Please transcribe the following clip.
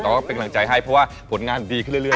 แต่ว่าเป็นกำลังใจให้เพราะว่าผลงานดีขึ้นเรื่อย